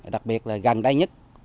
đặc biệt là gần đây nhất